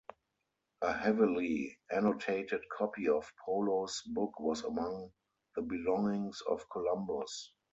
A heavily annotated copy of Polo's book was among the belongings of Columbus.